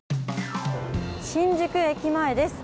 新宿駅前です。